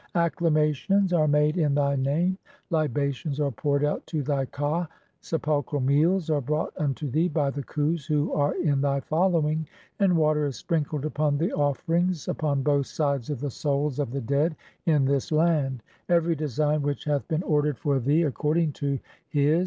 (20) Acclamations "are made in thy name, libations are poured out to thy ka, sepul "chral meals [are brought unto thee] by the khus who are (21) "in thv following, and water is sprinkled upon the offerings (?) "(22) upon both sides of the souls (23) of the dead in this "land ; every (24) design which hath been ordered for thee ac cording to his